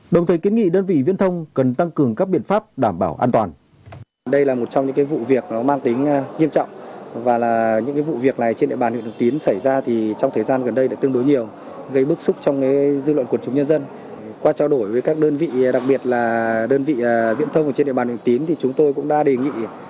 đồng thời kiến nghị đơn vị viễn thông cần tăng cường các biện pháp đảm bảo an toàn